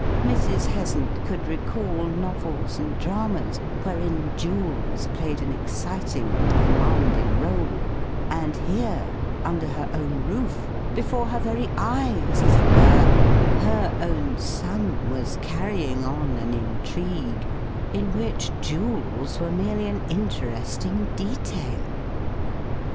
Mrs. Heasant could recall novels and dramas wherein jewels played an exciting and commanding role, and here, under her own roof, before her very eyes as it were, her own son was carrying on an intrigue in which jewels were merely an interesting detail.